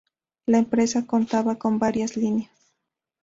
La empresa contaba con varias líneas.